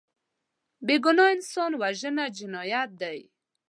بېګناه انسان وژنه جنایت دی